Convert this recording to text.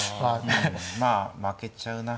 まあ負けちゃうな。